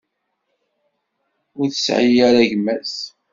Ur tesɛi ara gma-s.